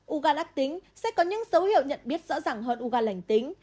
u gan ác tính sẽ có những dấu hiệu nhận biết rõ ràng hơn u gan lành tính